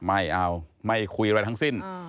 ไม่เอาไม่คุยอะไรทั้งสิ้น